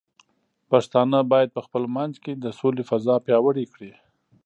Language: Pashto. پښتانه بايد په خپل منځ کې د سولې فضاء پیاوړې کړي.